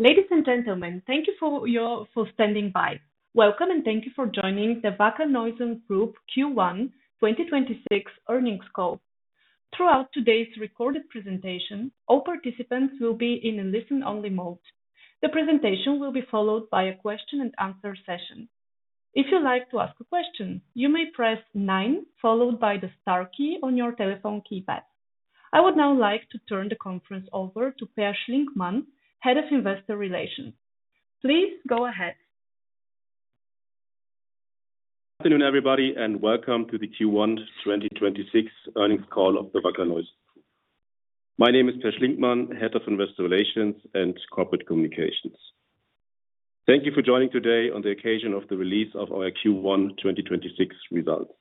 Ladies and gentlemen, thank you for standing by. Welcome, and thank you for joining the Wacker Neuson Group Q1 2026 Earnings Call. Throughout today's recorded presentation, all participants will be in a listen-only mode. The presentation will be followed by a question-and-answer session. If you'd like to ask a question, you may press nine followed by the star key on your telephone keypad. I would now like to turn the conference over to Peer Schlinkmann, Head of Investor Relations. Please go ahead. Afternoon, everybody, welcome to the Q1 2026 earnings call of the Wacker Neuson Group. My name is Peer Schlinkmann, Head of Investor Relations and Corporate Communications. Thank you for joining today on the occasion of the release of our Q1 2026 results.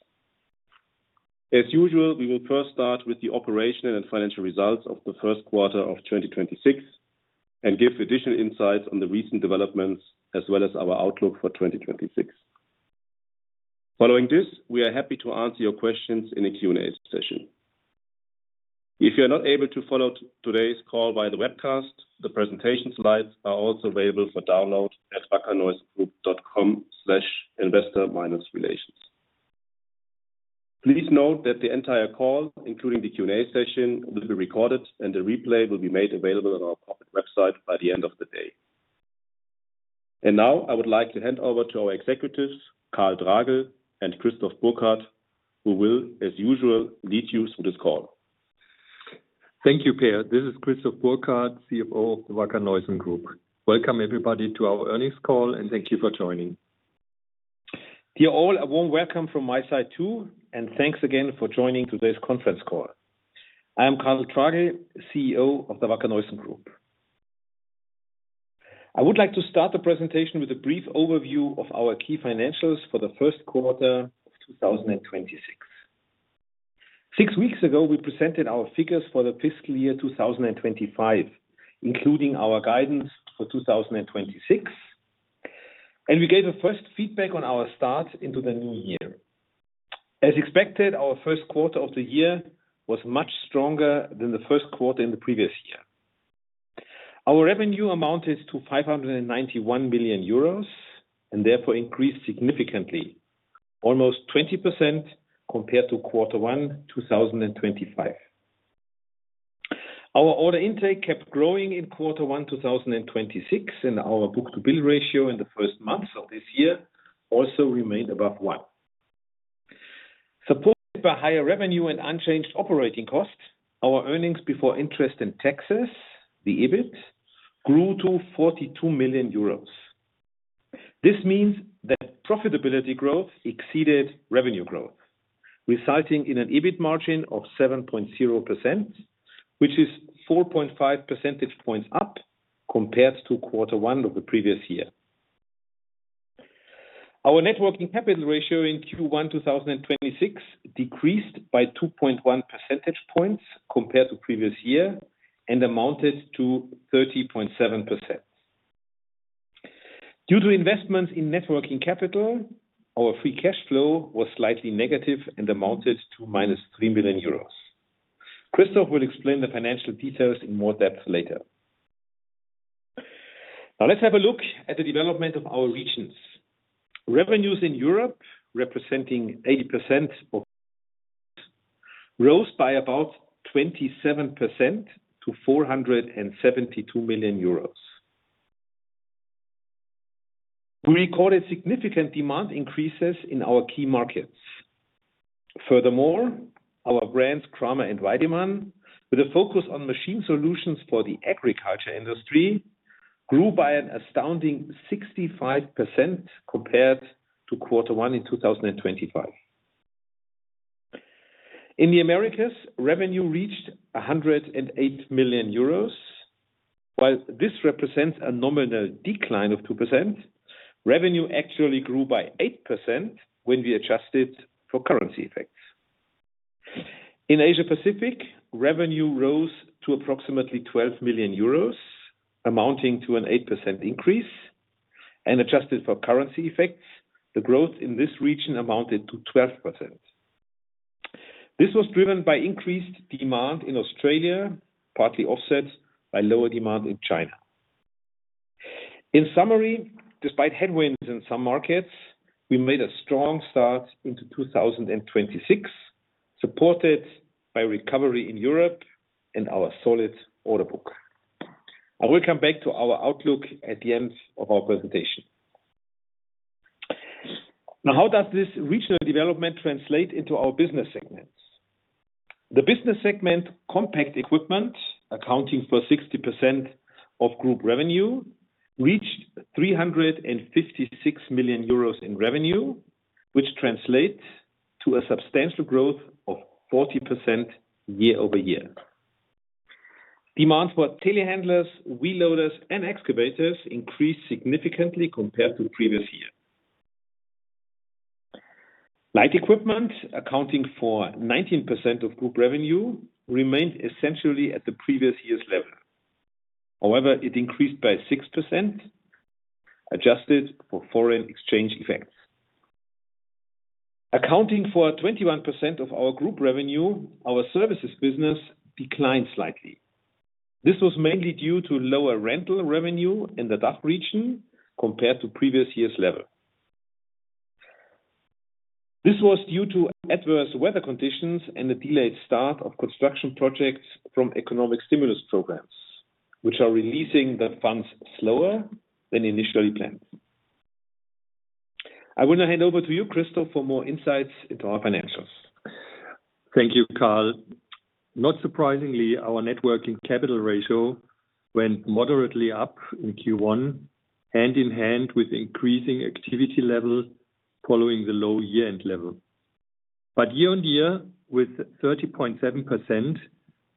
As usual, we will first start with the operational and financial results of the first quarter of 2026 and give additional insights on the recent developments as well as our outlook for 2026. Following this, we are happy to answer your questions in the Q&A session. If you're not able to follow today's call via the webcast, the presentation slides are also available for download at wackerneusongroup.com/investor-relations. Please note that the entire call, including the Q&A session, will be recorded and the replay will be made available on our corporate website by the end of the day. Now I would like to hand over to our executives, Karl Tragl and Christoph Burkhard, who will, as usual, lead you through this call. Thank you, Peer. This is Christoph Burkhard, CFO of the Wacker Neuson Group. Welcome everybody to our earnings call, and thank you for joining. Dear all, a warm welcome from my side too, and thanks again for joining today's conference call. I am Karl Tragl, CEO of the Wacker Neuson Group. I would like to start the presentation with a brief overview of our key financials for the first quarter of 2026. Six weeks ago, we presented our figures for the fiscal year 2025, including our guidance for 2026, and we gave a first feedback on our start into the new year. As expected, our first quarter of the year was much stronger than the first quarter in the previous year. Our revenue amounted to 591 million euros, therefore increased significantly, almost 20% compared to quarter one 2025. Our order intake kept growing in quarter one 2026. Our book-to-bill ratio in the first months of this year also remained above 1. Supported by higher revenue and unchanged operating costs, our earnings before interest and taxes, the EBIT, grew to 42 million euros. This means that profitability growth exceeded revenue growth, resulting in an EBIT margin of 7.0%, which is 4.5 percentage points up compared to quarter one of the previous year. Our net working capital ratio in Q1 2026 decreased by 2.1 percentage points compared to previous year and amounted to 30.7%. Due to investments in net working capital, our free cash flow was slightly negative and amounted to EUR-3 million. Christoph will explain the financial details in more depth later. Let's have a look at the development of our regions. Revenues in Europe, representing 80% of rose by about 27% to EUR 472 million. We recorded significant demand increases in our key markets. Our brands Kramer and Weidemann, with a focus on machine solutions for the agriculture industry, grew by an astounding 65% compared to quarter one in 2025. In the Americas, revenue reached 108 million euros. While this represents a nominal decline of 2%, revenue actually grew by 8% when we adjusted for currency effects. In Asia Pacific, revenue rose to approximately 12 million euros, amounting to an 8% increase, and adjusted for currency effects, the growth in this region amounted to 12%. This was driven by increased demand in Australia, partly offset by lower demand in China. In summary, despite headwinds in some markets, we made a strong start into 2026, supported by recovery in Europe and our solid order book. I will come back to our outlook at the end of our presentation. Now, how does this regional development translate into our business segments? The business segment, compact equipment, accounting for 60% of group revenue, reached 356 million euros in revenue, which translates to a substantial growth of 40% year-over-year. Demands for telehandlers, wheel loaders, and excavators increased significantly compared to previous year. Light equipment, accounting for 19% of group revenue, remained essentially at the previous year's level. However, it increased by 6%, adjusted for foreign exchange effects. Accounting for 21% of our group revenue, our services business declined slightly. This was mainly due to lower rental revenue in the DACH region compared to previous year's level. This was due to adverse weather conditions and a delayed start of construction projects from economic stimulus programs, which are releasing the funds slower than initially planned. I wanna hand over to you, Christoph, for more insights into our financials. Thank you, Karl. Not surprisingly, our net working capital ratio went moderately up in Q1, hand in hand with increasing activity level following the low year-end level. Year-on-year, with 30.7%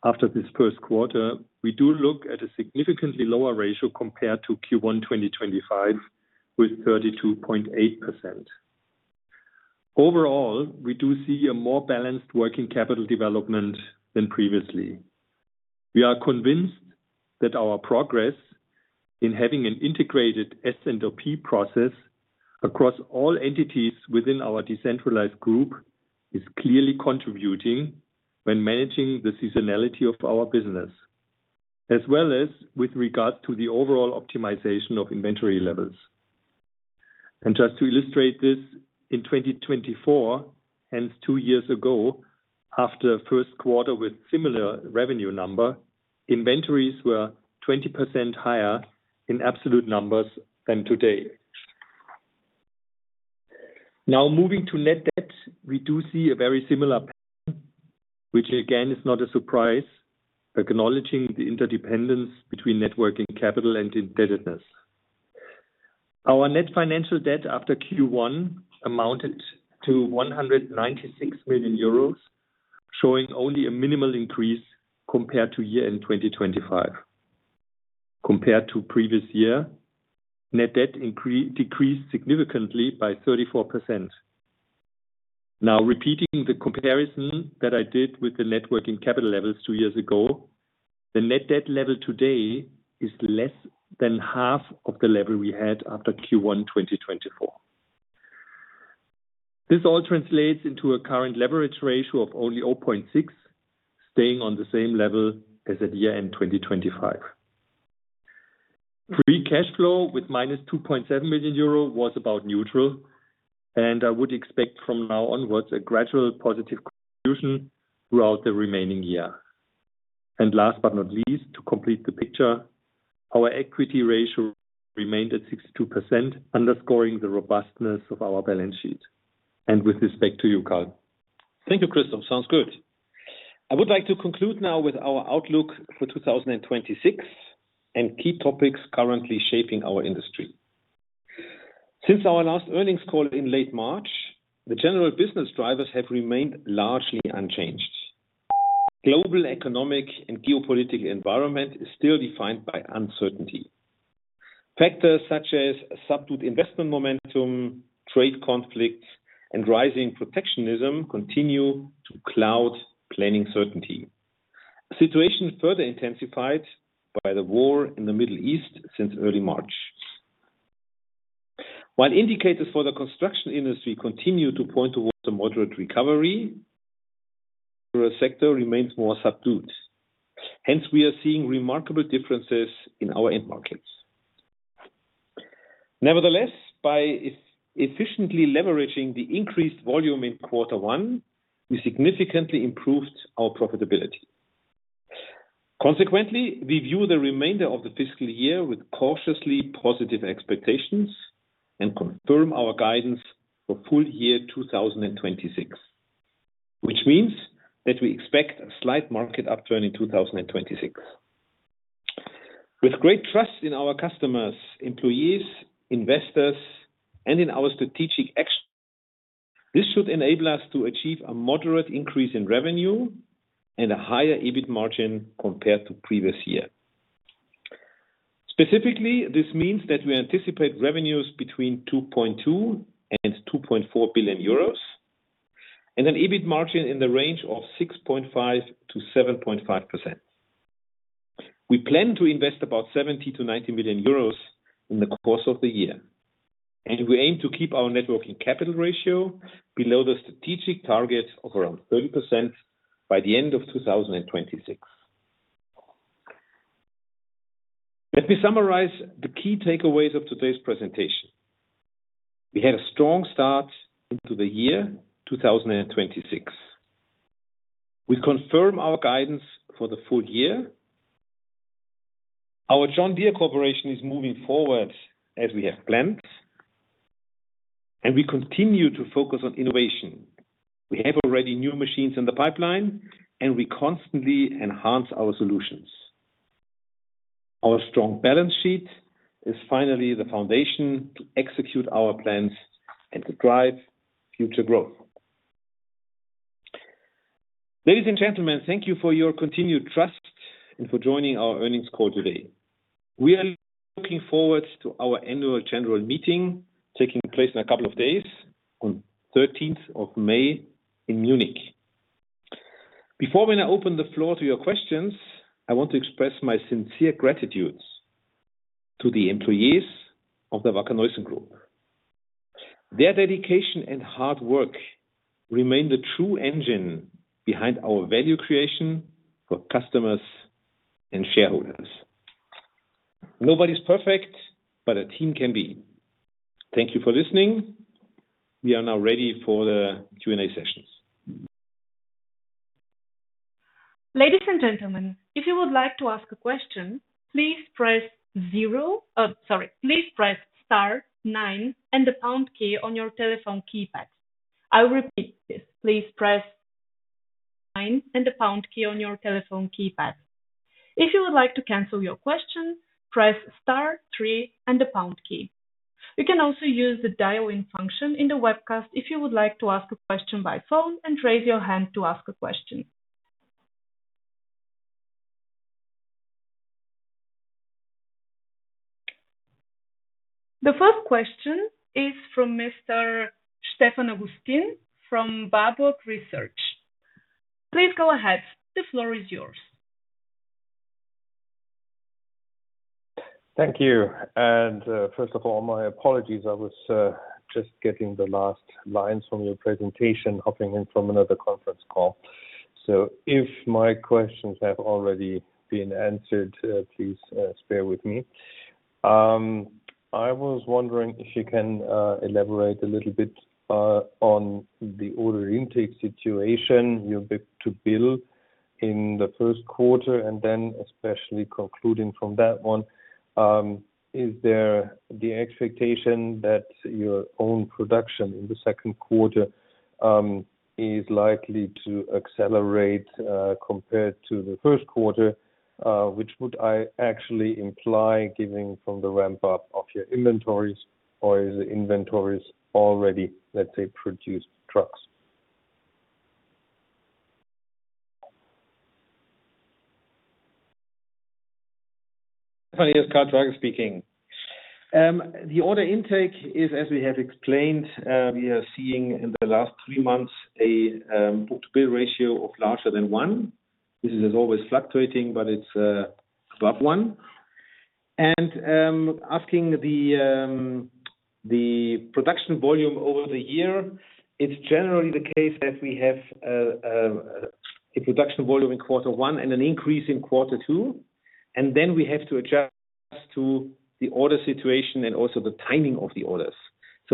after this first quarter, we do look at a significantly lower ratio compared to Q1 2025 with 32.8%. Overall, we do see a more balanced working capital development than previously. We are convinced that our progress in having an integrated S&OP process across all entities within our decentralized group is clearly contributing when managing the seasonality of our business, as well as with regard to the overall optimization of inventory levels. Just to illustrate this, in 2024, hence two years ago, after a first quarter with similar revenue number, inventories were 20% higher in absolute numbers than today. Moving to net debt, we do see a very similar pattern, which again, is not a surprise, acknowledging the interdependence between net working capital and indebtedness. Our net financial debt after Q1 amounted to 196 million euros, showing only a minimal increase compared to year-end 2025. Compared to previous year, net debt decreased significantly by 34%. Repeating the comparison that I did with the net working capital levels two years ago, the net debt level today is less than half of the level we had after Q1 2024. This all translates into a current leverage ratio of only 0.6x, staying on the same level as at year-end 2025. Free cash flow with -2.7 million euro was about neutral. I would expect from now onwards a gradual positive contribution throughout the remaining year. Last but not least, to complete the picture, our equity ratio remained at 62%, underscoring the robustness of our balance sheet. With this back to you, Karl. Thank you, Christoph. Sounds good. I would like to conclude now with our outlook for 2026 and key topics currently shaping our industry. Since our last earnings call in late March, the general business drivers have remained largely unchanged. Global economic and geopolitical environment is still defined by uncertainty. Factors such as subdued investment momentum, trade conflicts, and rising protectionism continue to cloud planning certainty. A situation further intensified by the war in the Middle East since early March. While indicators for the construction industry continue to point towards a moderate recovery, the sector remains more subdued, hence we are seeing remarkable differences in our end markets. Nevertheless, by efficiently leveraging the increased volume in quarter one, we significantly improved our profitability. Consequently, we view the remainder of the fiscal year with cautiously positive expectations and confirm our guidance for full year 2026, which means that we expect a slight market upturn in 2026. With great trust in our customers, employees, investors, and in our strategic action, this should enable us to achieve a moderate increase in revenue and a higher EBIT margin compared to previous year. Specifically, this means that we anticipate revenues between 2.2 billion and 2.4 billion euros and an EBIT margin in the range of 6.5%-7.5%. We plan to invest about 70 million-90 million euros in the course of the year, and we aim to keep our net working capital ratio below the strategic target of around 30% by the end of 2026. Let me summarize the key takeaways of today's presentation. We had a strong start into the year 2026. We confirm our guidance for the full year. Our John Deere cooperation is moving forward as we have planned, and we continue to focus on innovation. We have already new machines in the pipeline, and we constantly enhance our solutions. Our strong balance sheet is finally the foundation to execute our plans and to drive future growth. Ladies and gentlemen, thank you for your continued trust and for joining our earnings call today. We are looking forward to our Annual General Meeting taking place in a couple of days on 13th of May in Munich. Before I open the floor to your questions, I want to express my sincere gratitude to the employees of the Wacker Neuson Group. Their dedication and hard work remain the true engine behind our value creation for customers and shareholders. Nobody's perfect, but a team can be. Thank you for listening. We are now ready for the Q&A session. Ladies and gentlemen if you would like to ask a question please press zero, oh sorry, please press star nine and the pound key on your telephone keypad. I'll repeat this please press nine and the pound key on your telephone keypad. If you would like to cancel your question press star three and the pound key. You can also use the dial-in function in the webcast if you would like to ask a question by phone and raise your hand to ask a question. The first question is from Mr. Stefan Augustin from Warburg Research. Please go ahead. The floor is yours. Thank you. First of all, my apologies. I was just getting the last lines from your presentation, hopping in from another conference call. If my questions have already been answered, please bear with me. I was wondering if you can elaborate a little bit on the order intake situation, your book-to-bill in the first quarter, and then especially concluding from that one, is there the expectation that your own production in the second quarter is likely to accelerate compared to the first quarter, which would I actually imply giving from the ramp-up of your inventories, or is the inventories already, let's say, produced trucks? Karl Tragl speaking. The order intake is, as we have explained, we are seeing in the last three months a book-to-bill ratio of larger than 1. This is always fluctuating, but it's above 1. Asking the production volume over the year, it's generally the case that we have a production volume in quarter one and an increase in quarter two, then we have to adjust to the order situation and also the timing of the orders.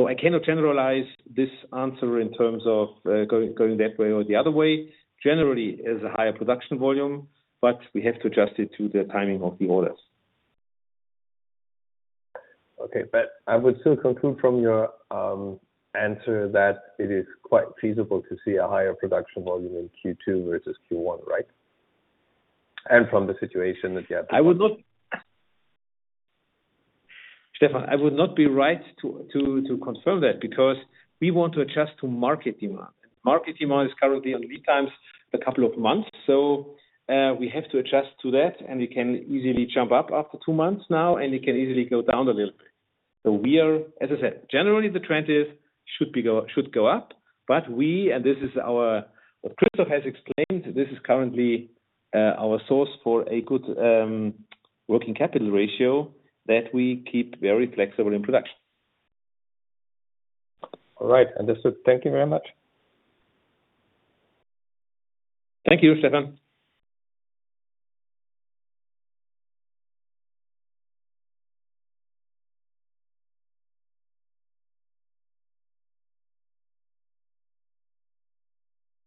I cannot generalize this answer in terms of going that way or the other way. Generally, there's a higher production volume, but we have to adjust it to the timing of the orders. Okay. I would still conclude from your answer that it is quite feasible to see a higher production volume in Q2 versus Q1, right? I would not, Stefan, I would not be right to confirm that because we want to adjust to market demand. Market demand is currently on lead times a couple of months. We have to adjust to that, and it can easily jump up after two months now, and it can easily go down a little bit. We are, as I said, generally the trend should go up, but we, and this is our What Christoph has explained, this is currently our source for a good working capital ratio that we keep very flexible in production. All right. Understood. Thank you very much. Thank you, Stefan.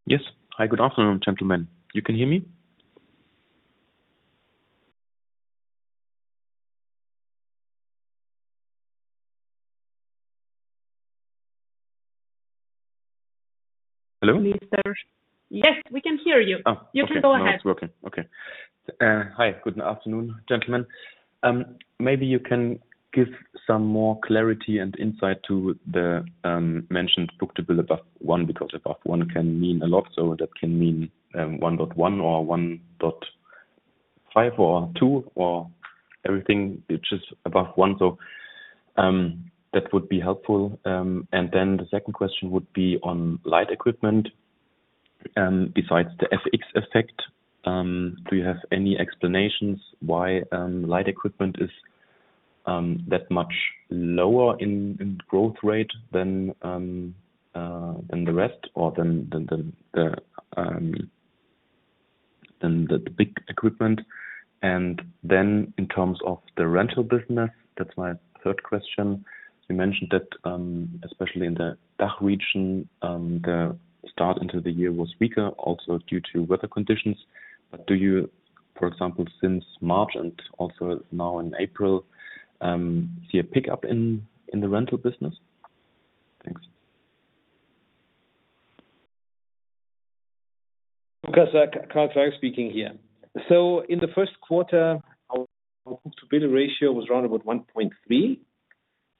Yes. Hi. Good afternoon, gentlemen. You can hear me? Hello? Yes, we can hear you. Oh, okay. You can go ahead. Now it's working. Okay. Hi. Good afternoon, gentlemen. Maybe you can give some more clarity and insight to the mentioned book-to-bill above 1, because above 1 can mean a lot. That can mean 1.1 or 1.5 or 2 or everything which is above 1. That would be helpful. The second question would be on light equipment. Besides the FX effect, do you have any explanations why light equipment is that much lower in growth rate than the rest or than the big equipment? In terms of the rental business, that's my third question. You mentioned that especially in the DACH region, the start into the year was weaker also due to weather conditions. Do you, for example, since March and also now in April, see a pickup in the rental business? Thanks. Karl Tragl speaking here. In the first quarter, our book-to-bill ratio was around about 1.3.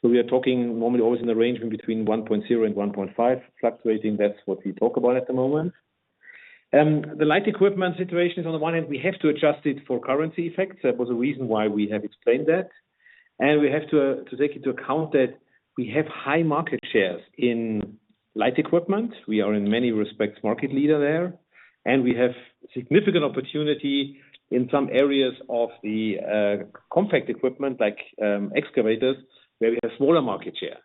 We are talking normally always in the range between 1.0 and 1.5 fluctuating. That's what we talk about at the moment. The light equipment situation is on the one hand, we have to adjust it for currency effects. That was the reason why we have explained that. We have to take into account that we have high market shares in light equipment. We are in many respects market leader there, and we have significant opportunity in some areas of the compact equipment like excavators, where we have smaller market share.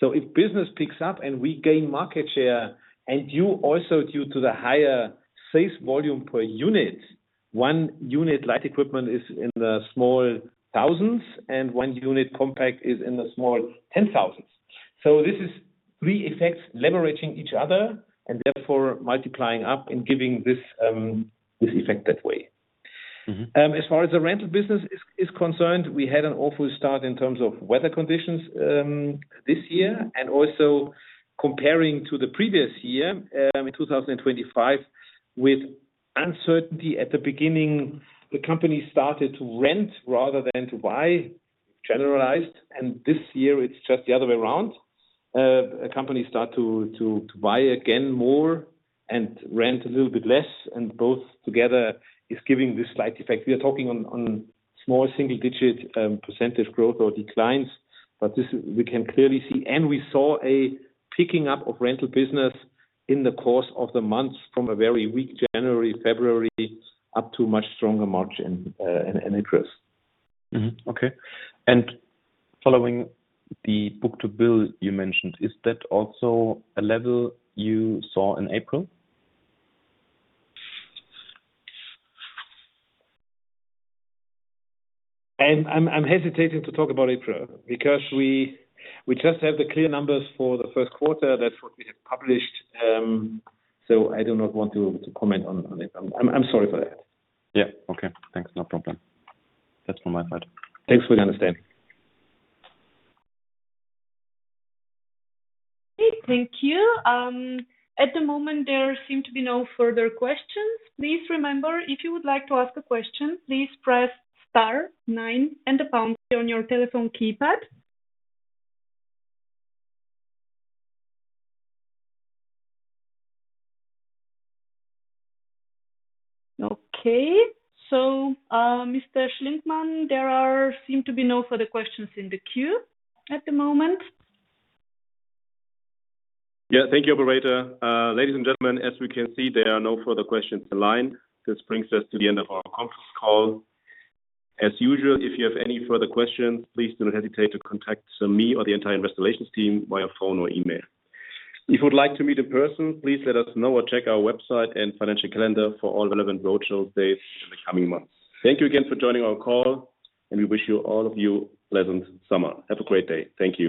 If business picks up and we gain market share, and you also, due to the higher sales volume per unit, one unit light equipment is in the small thousands, and one unit compact equipment is in the small ten thousands. This is three effects leveraging each other and therefore multiplying up and giving this effect that way. As far as the rental business is concerned, we had an awful start in terms of weather conditions this year, comparing to the previous year, in 2025, with uncertainty at the beginning, the company started to rent rather than to buy, generalized. This year it's just the other way around. Companies start to buy again more and rent a little bit less. Both together is giving this slight effect. We are talking on small single-digit percentage growth or declines. This we can clearly see. We saw a picking up of rental business in the course of the months from a very weak January, February up to much stronger March and April. Mm-hmm. Okay. Following the book-to-bill you mentioned, is that also a level you saw in April? I'm hesitating to talk about April because we just have the clear numbers for the first quarter. That's what we have published. I do not want to comment on April. I'm sorry for that. Yeah. Okay. Thanks. No problem. That's from my side. Thanks for the understanding. Thank you. At the moment, there seem to be no further questions. Please remember, if you would like to ask a question, please press star nine and the pound key on your telephone keypad. Mr. Schlinkmann, there seem to be no further questions in the queue at the moment. Yeah. Thank you, operator. Ladies and gentlemen, as we can see, there are no further questions in line. This brings us to the end of our conference call. As usual, if you have any further questions, please do not hesitate to contact me or the entire Investor Relations team via phone or email. If you would like to meet in person, please let us know or check our website and financial calendar for all relevant virtual dates in the coming months. Thank you again for joining our call, and we wish you all of you pleasant summer. Have a great day. Thank you.